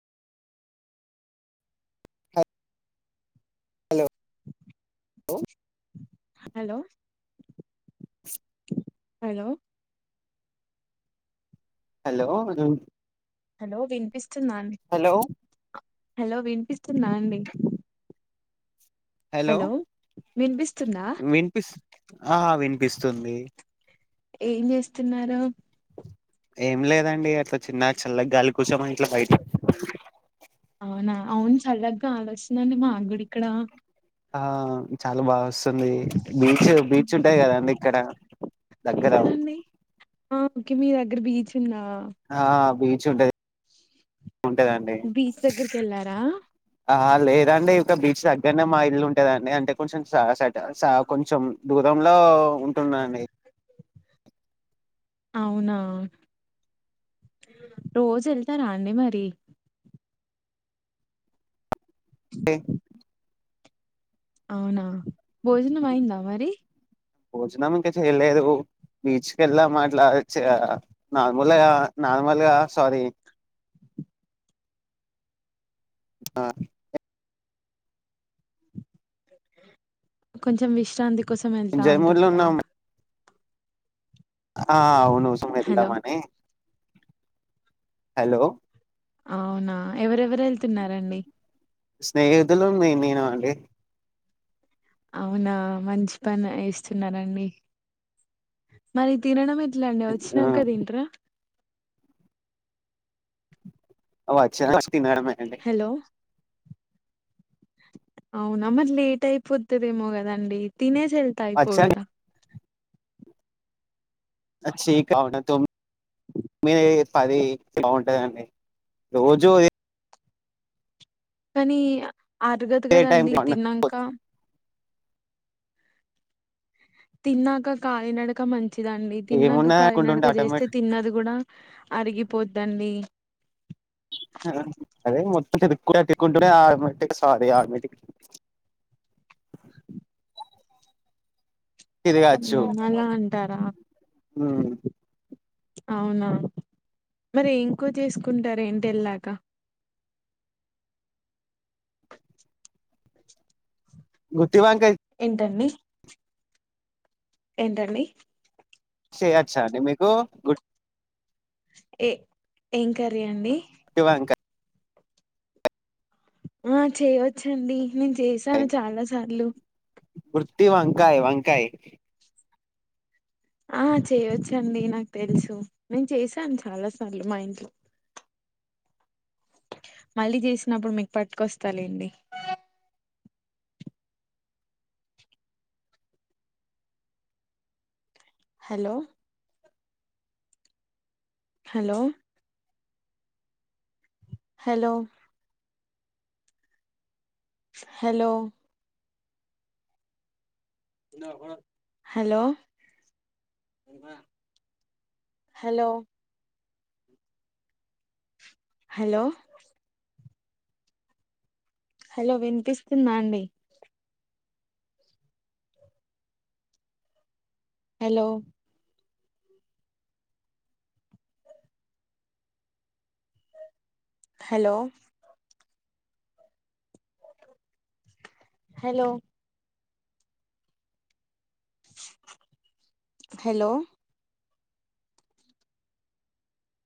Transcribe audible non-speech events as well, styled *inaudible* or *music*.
Hello hello hello hello *inaudible* hello విన్పిస్ చూనండి hello hello వినిపిస్తుంద అండి హలో విన్పిస్ విన్పిస్ ఆ వినిపిస్తుంది ఏం చేస్తున్నారు ఏం లేదండి అట్లా చిన్న చల్లగా గాలి కూసమ ఇట్లా బయట అవునా అవును చల్లగ్గా గాలి వస్తుంది అండి మా గూడ ఇక్కడ ఆ చాలా బాగోస్ వస్తుంది బీచ్ బీచ్ ఉంటాయి కదాండి ఇక్కడ దగ్గర ఎక్కడండి ఓకే మీ దగ్గర బీచ్ ఉంద ఆ బీచ్ ఉంటది ఉంటదండి బీచ్ దగ్గరికి వెళ్ళారా ఆ లేదండి ఇంకా బీచ్ దగ్గరనే మా ఇల్లు ఉంటాదండి అంటే కొంచెం శాసట కొంచెం దూరంలో టున్నాఅండి అవునా రోజు వెళ్తారా అండి మరి *unintelligible* అవునా భోజనం అయిందా మరి భోజనం ఇంకా చేయలేదు బీచ్కి వెళ్ళాం అట్లా చ నార్మల్గా నార్మల్గా సారీ. ఆ కొంచెం విశ్రాంతి కోసం వెళ్తా జైమూర్లో అంటున్నారా ఉన్నాం ఆ అవును *unintelligible* హలో వెళ్దామానే హలో అవునా ఎవరెవరు వెళ్తున్నారండి స్నేహితులు మేమేనునండి అవునా మంచి పని వేస్తున్నరండి మరి తినడం ఎక్ ఎట్లండి వచ్చినంక తింటరా ఒచ్చిన తినడమే అండి హలో అవున మరి లేట్ అయిపోతదేమో కదండి తినేసి ఎళ్తే ఐపోవ్ వచ్చా గద ఆ చీ *unintelligible* తొమ్మిది పది బాగుంటదండి రోజు ఈ కానీ అరగదు ఏ టైం కదండి తిన్నంక తిన్నాక కాలినడక మన్ మంచిదండి తిన్నాక ఏమున్నా అనుకుంటుంటే కాళినడక చేస్తే ఆటోమేటిక్ తిన్నది కూడా అరిగి పోద్దండి *unintelligible* సారి ఆర్మటి హ్మ్మ్ అలా అంటారా అవునా మరి ఎంకురా చేసుకుంటారు ఇంటి ఎళ్ళాక గుత్తి వంకాయ్ ఏంటండి ఏంటండీ చేయొచ్చా అండి మీకు గుడ్ ఏ ఏం కరీ అండి అవా ఇంకా ఆ చేయవచ్చండి నేను చేసాను చాలా సార్లు వృర్తి వంకాయ వంకాయ్ ఆ చేయొచ్చండి నాకు తెలుసు నేను చేసాను చాలా సార్లు మా ఇంట్లో మళ్ళీ చేసినప్పుడు మీకు పట్టుకొస్తాలెండి hello hello hello hello hello hello hello hello వినిపిస్తుందా అండి హలో హలో హలో హలో